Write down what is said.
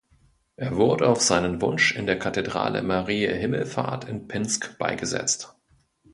Er wurde auf seinen Wunsch in der Kathedrale Mariä Himmelfahrt in Pinsk beigesetzt.